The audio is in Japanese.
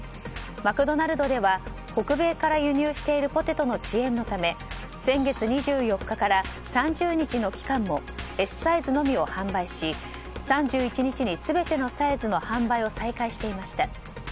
マクドナルドでは北米から輸入しているポテトの遅延のため先月２４日から３０日の期間もＳサイズのみを販売し３１日に、全てのサイズの販売を再開していました。